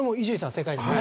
正解ですね。